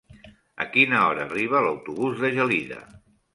A quina hora arriba l'autobús de Gelida?